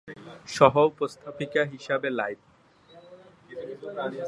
সহ-উপস্থাপিকা হিসেবে লাইভ!